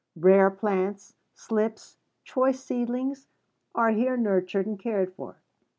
Rare plants, slips, choice seedlings, are here nurtured and cared for.